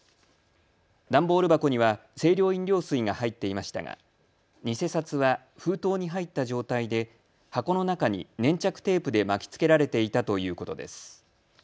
段ボール箱には清涼飲料水が入っていましたが偽札は封筒に入った状態で箱の中に粘着テープで巻きつけられていたということです。